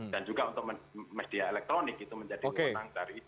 dan juga untuk media elektronik itu menjadi kewenangan dari pi